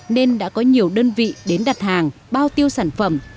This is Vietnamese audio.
nên đã có nhiều đơn vị đến đặt hàng bao tiêu sản phẩm